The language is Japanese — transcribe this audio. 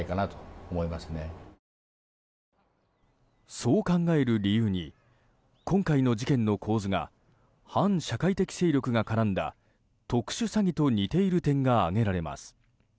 そう考える理由に今回の事件の構図が反社会的勢力が絡んだ特殊詐欺と似ている点が挙げられます。